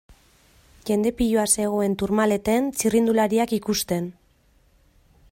Jende piloa zegoen Tourmaleten txirrindulariak ikusten.